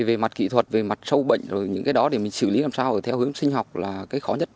về mặt kỹ thuật về mặt sâu bệnh rồi những cái đó để mình xử lý làm sao theo hướng sinh học là cái khó nhất